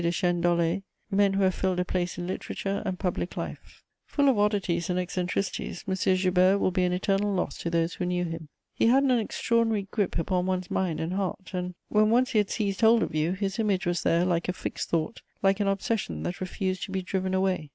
de Chênedollé, men who have filled a place in literature and public life. [Sidenote: Joseph Joubert.] Full of oddities and eccentricities, M. Joubert will be an eternal loss to those who knew him. He had an extraordinary grip upon one's mind and heart; and, when once he had seized hold of you, his image was there, like a fixed thought, like an obsession that refused to be driven away.